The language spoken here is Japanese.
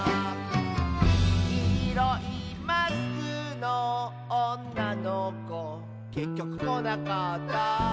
「きいろいマスクのおんなのこ」「けっきょくこなかった」